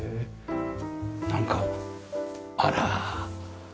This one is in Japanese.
なんかあら。